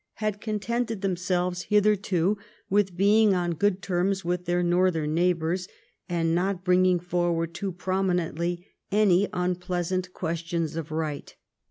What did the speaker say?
had contented themselves hitherto with being on good terms witli their northern neighbours, and not bringing forward too prominently any unpleasant questions of right.